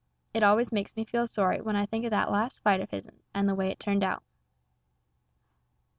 It always makes me feel sorry when I think of that last fight of his'n, and the way it turned out.